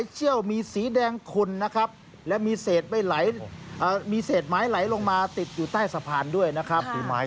ใช่ครับผม